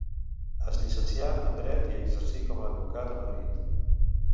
Es llicencià en dret i exercí com a advocat a Madrid.